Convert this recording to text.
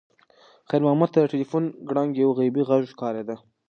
خیر محمد ته د تلیفون ګړنګ یو غیبي غږ ښکارېده.